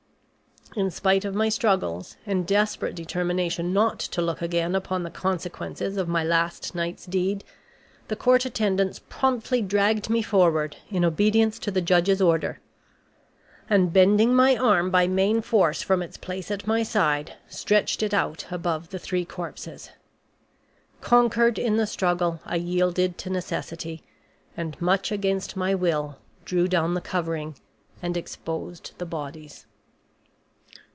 In spite of my struggles and desperate determination not to look again upon the consequences of my last night's deed, the court attendants promptly dragged me forward, in obedience to the judge's order, and bending my arm by main force from its place at my side stretched it out above the three corpses. Conquered in the struggle, I yielded to necessity, and much against my will drew down the covering and exposed the bodies.